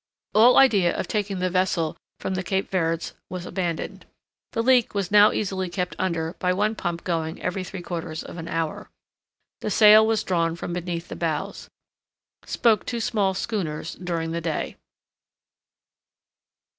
All idea of taking the vessel from the Cape Verds was abandoned. The leak was now easily kept under by one pump going every three quarters of an hour. The sail was drawn from beneath the bows. Spoke two small schooners during the day.